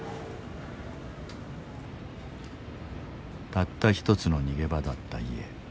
たった一つの逃げ場だった家。